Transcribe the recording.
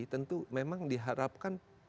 tentu memang diharapkan